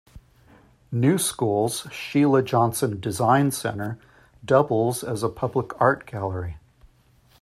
New School's Sheila Johnson Design Center doubles as a public art gallery.